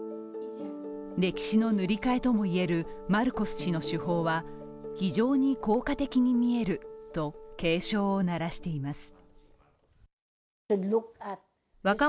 歴史の塗り替えともいえるマルコス氏の手法は非常に効果的にみえると警鐘を鳴らしています。